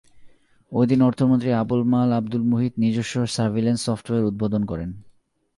ওই দিন অর্থমন্ত্রী আবুল মাল আবদুল মুহিত নিজস্ব সার্ভিল্যান্স সফটওয়্যার উদ্বোধন করেন।